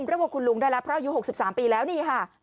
เรียกว่าคุณลุงได้แล้วเพราะอายุ๖๓ปีแล้วนี่ค่ะ